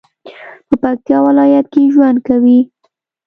په پکتیا ولایت کې ژوند کوي